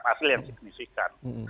hasil yang signifikan